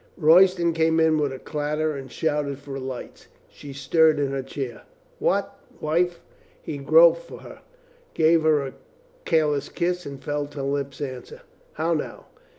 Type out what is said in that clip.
Royston came in with a clatter and shouted for lights. She stirred in her chair. "What, wife!" he groped for her, gave her a careless kiss and felt her lips answer. "How now?